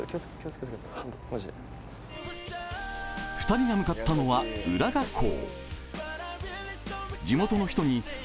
２人が向かったのは浦賀港。